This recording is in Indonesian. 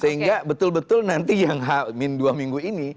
sehingga betul betul nanti yang h dua minggu ini kita bisa merayakan